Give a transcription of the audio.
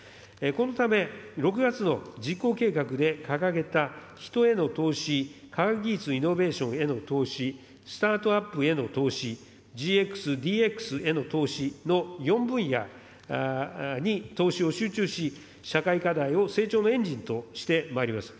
このため、６月の実行計画で掲げた人への投資、科学技術イノベーションへの投資、スタートアップへの投資、ＧＸ、ＤＸへの投資の４分野に投資を集中し、社会課題を成長のエンジンとしてまいります。